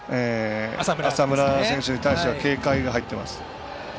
浅村選手に対しては警戒が入っています。